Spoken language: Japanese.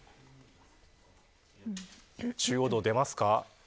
中央道、出ますか。